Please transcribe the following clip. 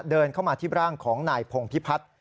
เดินเข้ามาที่ร่างของนายพงพิพัฒน์